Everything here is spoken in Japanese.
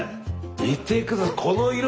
見てください。